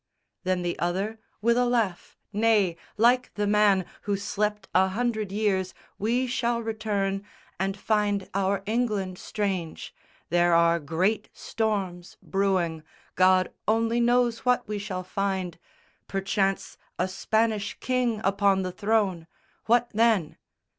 Then the other with a laugh, "Nay, like the man Who slept a hundred years we shall return And find our England strange: there are great storms Brewing; God only knows what we shall find Perchance a Spanish king upon the throne! What then?"